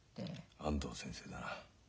安藤先生だな。